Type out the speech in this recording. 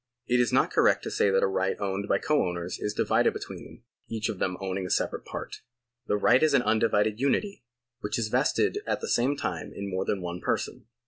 It is not correct to say that a right owned by co owners is divided between them, each of them owning a separate part. The right is an undi vided unity, which is vested at the same time in more than one person.